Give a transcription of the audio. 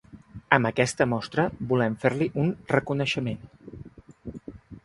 Amb aquesta mostra volem fer-li un reconeixement.